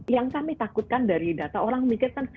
yang kami takutkan dari data orang memikirkan